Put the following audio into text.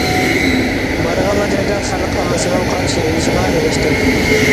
بارغانلا جايدا خەلق ئاممىسىنىڭ قارشى ئېلىشىغا ئېرىشتىم.